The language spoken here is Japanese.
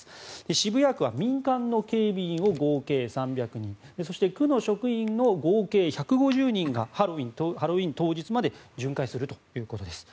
渋谷区は民間の警備員を合計３００人そして区の職員の合計１５０人がハロウィーン当日まで巡回するということです。